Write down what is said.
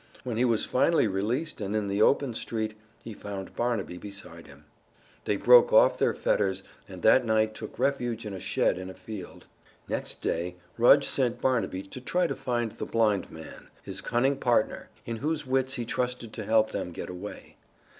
When he was finally released and in the open street he found Barnaby beside him. They broke off their fetters, and that night took refuge in a shed in a field. Next day Rudge sent Barnaby to try to find the blind man, his cunning partner, in whose wits he trusted to help them get away.